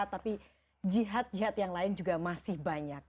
tapi jihad jihad yang lain juga masih banyak